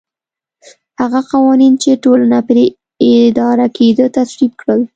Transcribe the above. هغه قوانین چې ټولنه پرې اداره کېده تصویب کړل